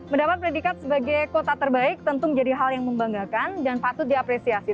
mendapat predikat sebagai kota terbaik tentu menjadi hal yang membanggakan dan patut diapresiasi